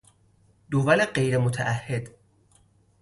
دول غیر متعهد